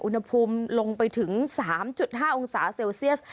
อุณหภูมิลงไปถึง๓๕องศาเซลเซียส